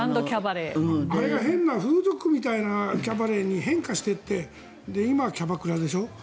あれが変な風俗みたいなキャバレーに変化していって今はキャバクラでしょ。